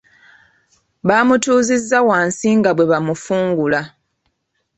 Baamutuuzizza wansi nga bwe bamufungula.